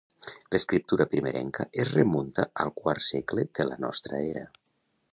L'escriptura primerenca es remunta al quart segle de la nostra era.